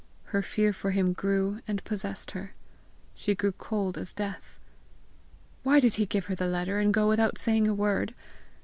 Her fear for him grew and possessed her. She grew cold as death. Why did he give her the letter, and go without saying a word?